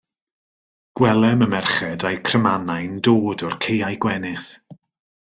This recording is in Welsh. Gwelem y merched a'u crymanau'n dod o'r caeau gwenith.